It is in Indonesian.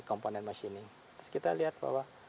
komponen machining terus kita lihat bahwa